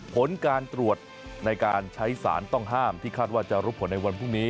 ผลการตรวจในการใช้สารต้องห้ามที่คาดว่าจะรู้ผลในวันพรุ่งนี้